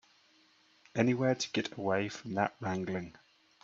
Anywhere to get away from that wrangling.